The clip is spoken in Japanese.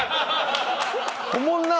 おもんな！